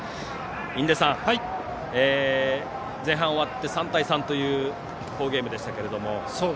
印出さん、前半終わって３対３という好ゲームでしたが。